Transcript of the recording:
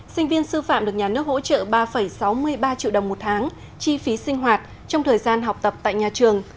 sinh viên sư phạm được nhà nước hỗ trợ ba sáu mươi ba triệu đồng một tháng chi phí sinh hoạt trong thời gian học tập tại nhà trường